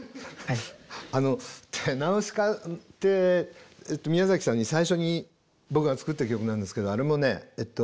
あの「ナウシカ」って宮崎さんに最初に僕が作った曲なんですけどあれもね